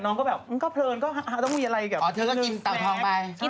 มันไม่มีสิทธิ์กิน